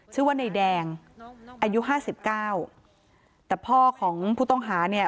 ชื่อว่านายแดงอายุห้าสิบเก้าแต่พ่อของผู้ต้องหาเนี่ย